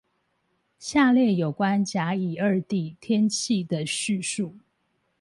下列有關甲、乙二地天氣的敘述